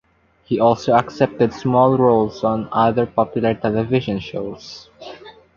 He also accepted small roles on other popular television shows.